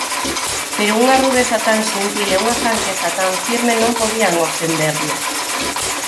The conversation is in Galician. Pero unha rudeza tan xentil e unha franqueza tan firme non podían ofenderme.